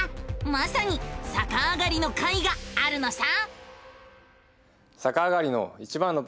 まさにさかあがりの回があるのさ！